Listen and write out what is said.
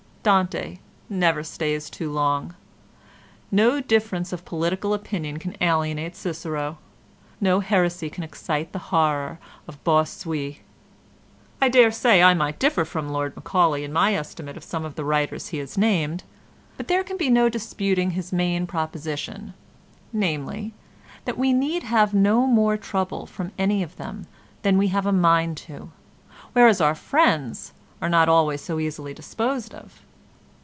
Dante never stays too long. No difference of political opinion can alienate Cicero. No heresy can excite the horror of Bossuet." I dare say I might differ from Lord Macaulay in my estimate of some of the writers he has named, but there can be no disputing his main proposition, namely, that we need have no more trouble from any of them than we have a mind to, whereas our friends are not always so easily disposed of.